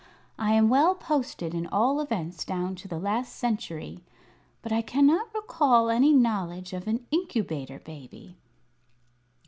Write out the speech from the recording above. I am well posted in all events down to the last century, but I cannot recall any knowledge of an Incubator Baby."